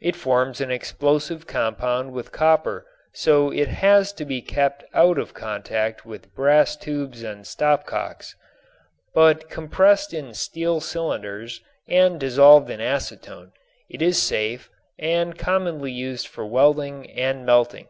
It forms an explosive compound with copper, so it has to be kept out of contact with brass tubes and stopcocks. But compressed in steel cylinders and dissolved in acetone, it is safe and commonly used for welding and melting.